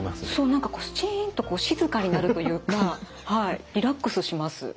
何かこうシンと静かになるというかリラックスします。